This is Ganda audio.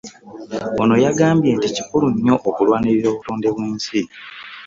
Ono yagambye nti kikulu nnyo okulwanirira obutonde bw'ensi